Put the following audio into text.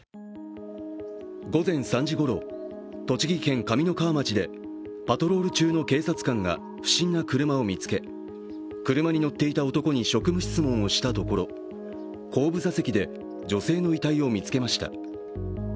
午前３時ごろ、栃木県上三川町でパトロール中の警察官が不審な車を見つけ、車に乗っていた男に職務質問をしたところ後部座席で女性の遺体を見つけました。